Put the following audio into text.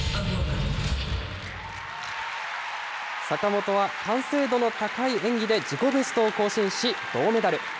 坂本は完成度の高い演技で自己ベストを更新し、銅メダル。